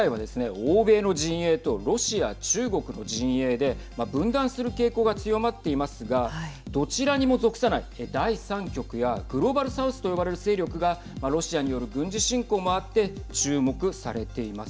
欧米の陣営とロシア・中国の陣営で分断する傾向が強まっていますがどちらにも属さない第３極やグローバルサウスと呼ばれる勢力がロシアによる軍事侵攻もあって注目されています。